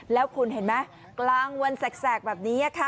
แล้วคุณเห็นไหมกลางวันแสกแบบนี้ค่ะ